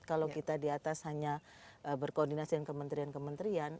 kalau kita di atas hanya berkoordinasi dengan kementerian kementerian